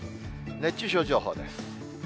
熱中症情報です。